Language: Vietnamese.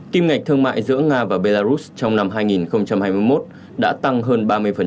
kim ngạch thương mại giữa nga và belarus trong năm hai nghìn hai mươi một đã tăng hơn ba mươi